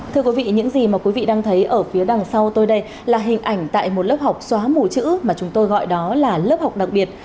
thưa quý vị những gì mà quý vị đang thấy ở phía đằng sau tôi đây là hình ảnh tại một lớp học xóa mù chữ mà chúng tôi gọi đó là lớp học đặc biệt